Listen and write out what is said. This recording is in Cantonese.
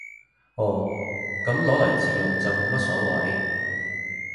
哦，噉攞嚟自用就冇乜所謂